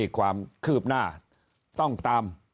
ความคืบหน้าต้องตาม